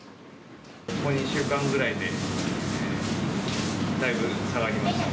ここ２週間ぐらいで、だいぶ下がりました。